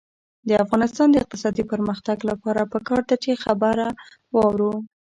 د افغانستان د اقتصادي پرمختګ لپاره پکار ده چې خبره واورو.